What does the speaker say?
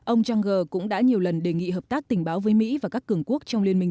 ông junger cũng đã nhiều lần đề nghị hợp tác tình báo với mỹ và các cường quốc trong liên minh